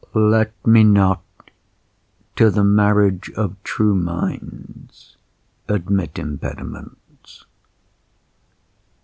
LET me not to the marriage of true minds Admit impediments.